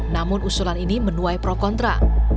namun usulan ini menuai pro kontra